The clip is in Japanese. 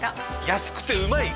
安くてうまい！